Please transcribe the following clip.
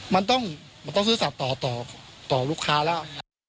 มันต้องซื่อสัตว์ต่อลูกค้าแล้ว